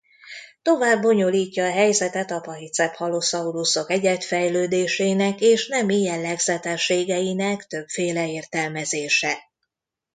Tovább bonyolítja a helyzetet a pachycephalosaurusok egyedfejlődésének és nemi jellegzetességeinek többféle értelmezése.